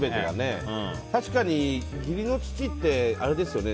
確かに義理の父ってあれですよね。